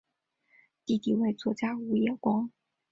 弟弟为作家武野光。